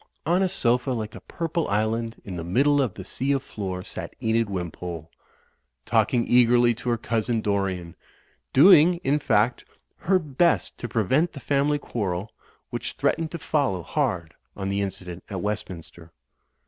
On a sofa like a purple island in the middle of the sea of floor sat Enid Wimpole, talking eagerly to her cousin, Dorian; doing, in fact, her best to pre vent the family quarrel, which threatened to fol low hard on the incident at Westminster.